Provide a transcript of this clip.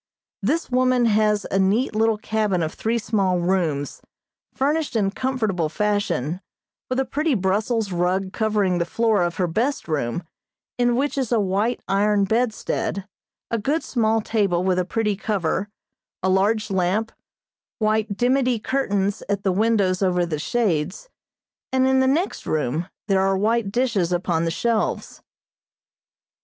This woman has a neat little cabin of three small rooms, furnished in comfortable fashion, with a pretty Brussels rug covering the floor of her best room, in which is a white iron bedstead, a good small table with a pretty cover, a large lamp, white dimity curtains at the windows over the shades, and in the next room there are white dishes upon the shelves.